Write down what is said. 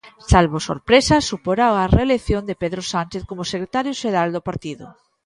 Salvo sorpresa, suporá a reelección de Pedro Sánchez como secretario xeral do partido.